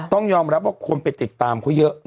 ต้องยอมรับว่าคนไปติดตามเขาเยอะ